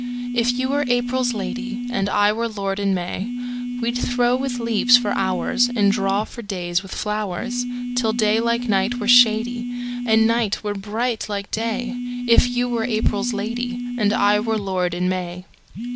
If you were April's lady, And I were lord in May, We'd throw with leaves for hoursAnd draw for days with flowers, Till day like night were shadyAnd night were bright like day; If you were April's lady, And I were lord in May.